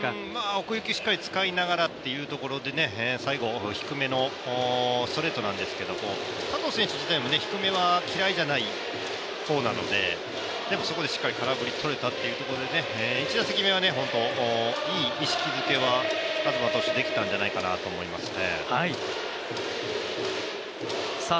奥行きしっかり使いながらということで、最後低めのストレートなんですけど、この選手自体低めは嫌いじゃない方なのででもそこでしっかり空振りとれたっていうことで、１打席目はいい意識付けは東としてできたんじゃないかなと思いますね。